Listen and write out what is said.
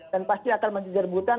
dan pasti akan menjerbutkan